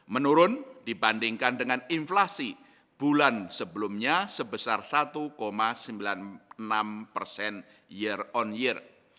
menurun dibandingkan dengan inflasi bulan sebelumnya sebesar satu sembilan puluh enam persen year on year